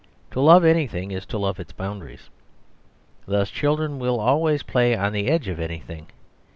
To love anything is to love its boundaries; thus children will always play on the edge of anything.